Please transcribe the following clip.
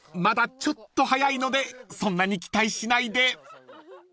まだちょっと早いのでそんなに期待しないで］